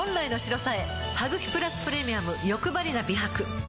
「ハグキプラスプレミアムよくばりな美白」